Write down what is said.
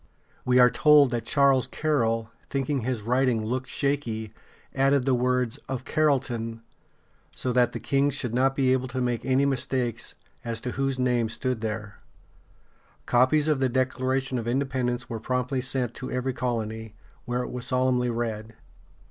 We are told that Charles Carroll, thinking his writing looked shaky, added the words "of Carrollton," so that the king should not be able to make any mistake as to whose name stood there. [Illustration: Pennsylvania Statehouse.] Copies of the Declaration of Independence were promptly sent to every colony, where it was solemnly read.